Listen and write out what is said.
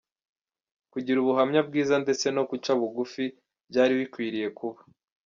Kugira ubuhamya bwiza ndetse no guca bugufi byari bikwiriye kuba.